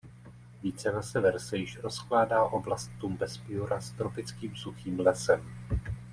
Více na sever se již rozkládá oblast Tumbes–Piura s tropickým suchým lesem.